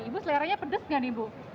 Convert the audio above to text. ibu seleranya pedes nggak nih bu